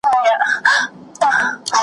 شاوخوا یې ترې را تاوکړله خطونه .